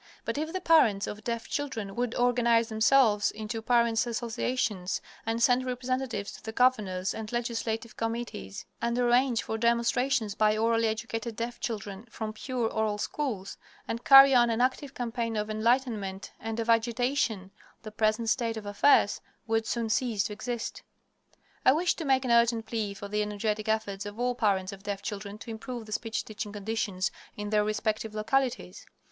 But if the parents of deaf children would organize themselves into "Parents' Associations" and send representatives to the governors and legislative committees; and arrange for demonstrations by orally educated deaf children from pure oral schools; and carry on an active campaign of enlightenment and of agitation, the present state of affairs would soon cease to exist. I wish to make an urgent plea for the energetic efforts of all parents of deaf children to improve the speech teaching conditions in their respective localities.